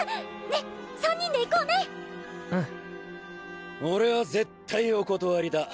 ねっ３人で行こうねうん俺は絶対お断りだ